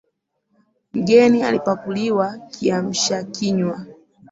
Mgeni alipakuliwa kiamshakinywa.